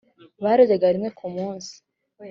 baryaga rimwe ku munsi